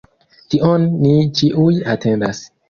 Tion ni ĉiuj atendas.